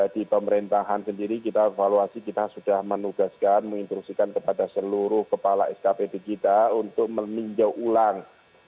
di pemerintahan sendiri kita evaluasi kita sudah menugaskan menginstruksikan kepada seluruh kepala skpd kita untuk meninjau ulang